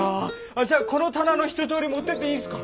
じゃあこの棚のひととおり持っていっていいですか？